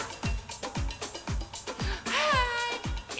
はい！